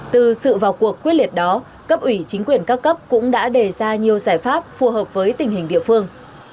từ sự vào cuộc quyết liệt đó cấp ủy chính quyền các cấp cũng đã đề ra nhiều giải pháp phù hợp với tình hình địa phương